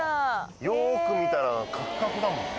よく見たらカクカクだもんね。